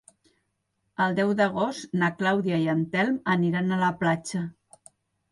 El deu d'agost na Clàudia i en Telm aniran a la platja.